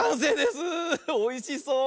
おいしそう！